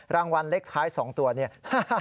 รางวัลเลขท้าย๒ตัวเนี่ย